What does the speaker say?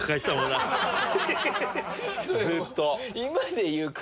ずっと。